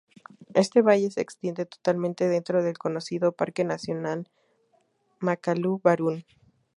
Este valle se extiende totalmente dentro del conocido Parque Nacional Makalu-Barun.